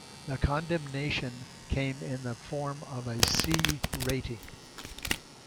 The condemnation came in the form of a 'C' rating.